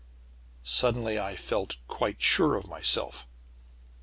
"Suddenly I felt quite sure of myself.